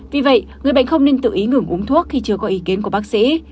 vì vậy người bệnh không nên tự ý ngừng uống thuốc khi chưa có ý kiến của bác sĩ